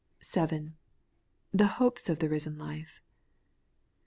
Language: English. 7. The hopes of the risen life.